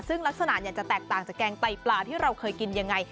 ซึ่งลักษณะจะแตกต่างจากแกงไตปลาที่เราเคยกินยังไง